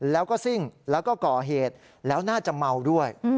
แล้วก็ซิ่งแล้วก็ก่อเหตุแล้วน่าจะเมาด้วย